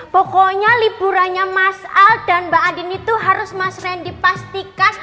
pokoknya liburannya mas al dan mbak adin itu harus mas randy pastikan